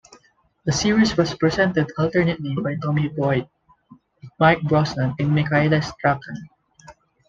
The series was presented alternately by Tommy Boyd, Mike Brosnan and Michaela Strachan.